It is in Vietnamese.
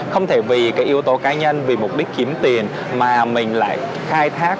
không thể vì cái yếu tố cá nhân vì mục đích kiếm tiền mà mình lại khai thác